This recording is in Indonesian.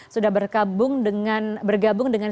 sudah bergabung dengan